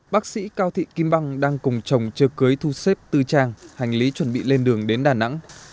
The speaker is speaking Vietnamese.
bác sĩ cao thị kim băng đang cùng chồng chờ cưới thu xếp tư trang hành lý chuẩn bị lên đường đến đà nẵng